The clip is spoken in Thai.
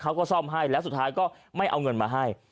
เขาก็ซ่อมให้แล้วสุดท้ายก็ไม่เอาเงินมาให้